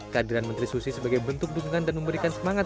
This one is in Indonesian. kehadiran menteri susi sebagai bentuk dukungan dan memberikan semangat